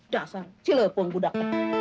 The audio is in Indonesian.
dasar cilopong budak